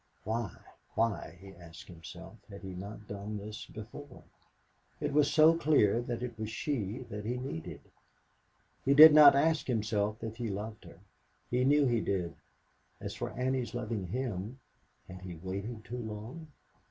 Why, why, he asked himself, had he not done this before? It was so clear that it was she that he needed. He did not ask himself if he loved her. He knew he did. As for Annie's loving him? Had he waited too long?